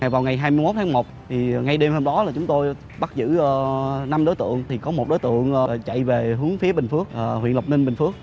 vào ngày hai mươi một tháng một ngay đêm hôm đó là chúng tôi bắt giữ năm đối tượng thì có một đối tượng chạy về hướng phía bình phước huyện lộc ninh bình phước